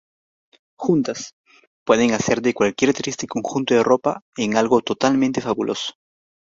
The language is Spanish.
Juntas ¡pueden hacer de cualquier triste conjunto de ropa en algo totalmente fabuloso!